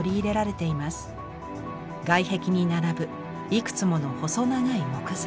外壁に並ぶいくつもの細長い木材。